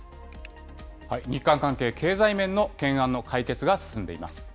日韓関係、経済面の懸案の解決が進んでいます。